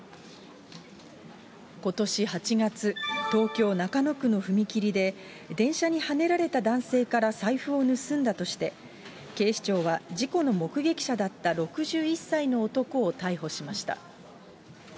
ことし８月、東京・中野区の踏切で、電車にはねられた男性から財布を盗んだとして、警視庁は事故の目撃者だった６１歳の男を逮捕しました。